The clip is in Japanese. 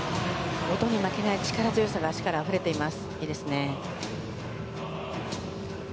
音に負けない力強さが脚からあふれ出ていていいですね。